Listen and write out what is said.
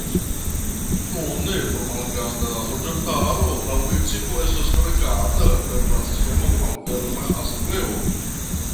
Nune pro malgranda loĝantaro la municipo estas regata per la sistemo de malferma asembleo.